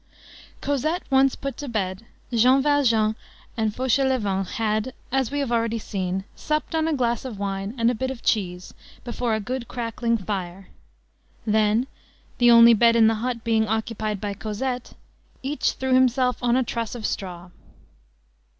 Cosette once put to bed, Jean Valjean and Fauchelevent had, as we have already seen, supped on a glass of wine and a bit of cheese before a good, crackling fire; then, the only bed in the hut being occupied by Cosette, each threw himself on a truss of straw.